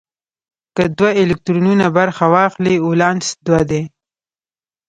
که دوه الکترونونه برخه واخلي ولانس دوه دی.